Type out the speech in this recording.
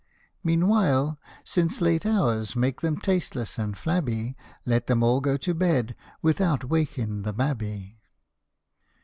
Meanwhile, since late hours make them tasteless and flabby, Let them all go to bed without waking the babby